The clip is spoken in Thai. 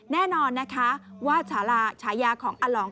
แน่นอนว่าฉายาของอาหลอง